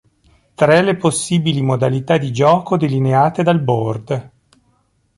Tre le possibili modalità di gioco delineate dal Board.